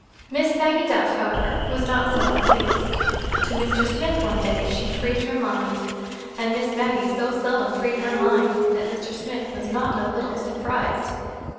Miss Maggie Duff, however, was not so well pleased. To Mr. Smith, one day, she freed her mind—and Miss Maggie so seldom freed her mind that Mr. Smith was not a little surprised.